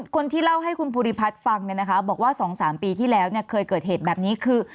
คนที่เล่าให้คุณภูริพัฒน์ฟังเนี่ยนะคะบอกว่า๒๓ปีที่แล้วเคยเกิดเหตุแบบนี้คือ